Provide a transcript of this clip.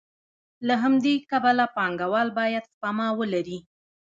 له همدې کبله پانګوال باید سپما ولري